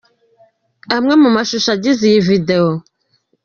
Amwe mu mashusho agize iyi Video:.